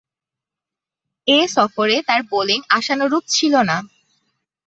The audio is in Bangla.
এ সফরে তার বোলিং আশানুরূপ ছিল না।